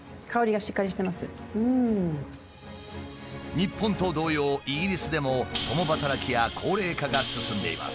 日本と同様イギリスでも共働きや高齢化が進んでいます。